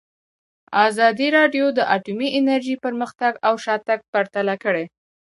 ازادي راډیو د اټومي انرژي پرمختګ او شاتګ پرتله کړی.